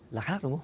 là khác đúng không